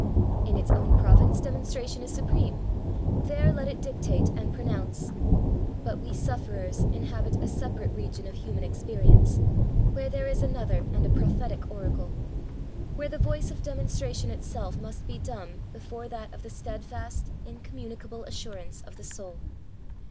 In its own province Demonstration is supreme. There let it dictate and pronounce. But we sufferers inhabit a sepa« rate region of human experience, where there is another and a prophetic oracle ; where the voice of Demonstration itself must be dumb before that of the steadfast, incommunicable assurance of the soul.